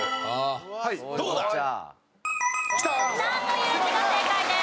はい。